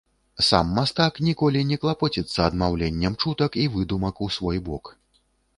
Сам мастак ніколі не клапоціцца адмаўленнем чутак і выдумак у свой бок.